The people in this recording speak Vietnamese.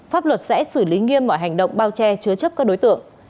pháp luật sẽ xử lý nghiêm mọi hành động bao che chứa chấp các đối tượng